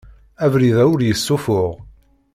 Abrid-a ur yessuffuɣ.